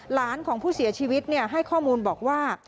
หลานของผู้เสียชีวิตให้ข้อมูลบอกว่า